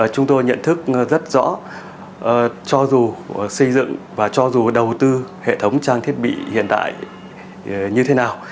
chúng tôi nhận thức rất rõ cho dù xây dựng và cho dù đầu tư hệ thống trang thiết bị hiện đại như thế nào